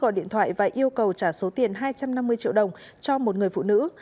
gọi điện thoại và yêu cầu trả số tiền hai trăm năm mươi triệu đồng cho một người phụ nữ